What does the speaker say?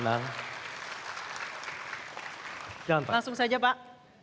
langsung saja pak